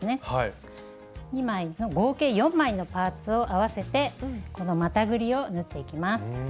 合計４枚のパーツを合わせてこの股ぐりを縫っていきます。